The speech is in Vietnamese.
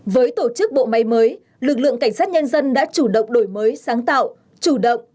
với tổ chức bộ máy mới lực lượng cảnh sát nhân dân đã chủ động đổi mới sáng tạo chủ động